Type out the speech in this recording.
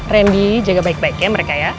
randy jaga baik baik ya mereka ya